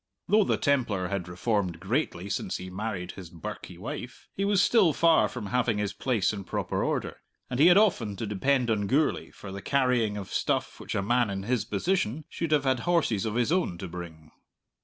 Though the Templar had reformed greatly since he married his birkie wife, he was still far from having his place in proper order, and he had often to depend on Gourlay for the carrying of stuff which a man in his position should have had horses of his own to bring.